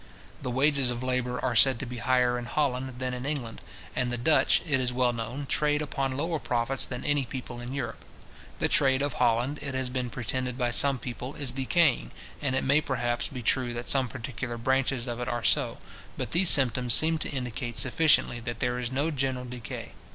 The wages of labour are said to be higher in Holland than in England, and the Dutch, it is well known, trade upon lower profits than any people in Europe. The trade of Holland, it has been pretended by some people, is decaying, and it may perhaps be true that some particular branches of it are so; but these symptoms seem to indicate sufficiently that there is no general decay.